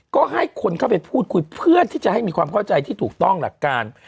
ก็ให้คนเข้าไปพูดคุยเพื่อที่จะให้มีความเข้าใจที่ถูกต้องหลักการ